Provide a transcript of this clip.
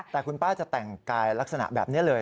แต่คุณป้าจะแต่งกายลักษณะแบบนี้เลย